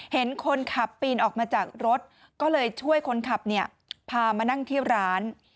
เห็นคนขับปีนออกมาจากรถก็เลยช่วยคนขับพามานั่งที่ร้าน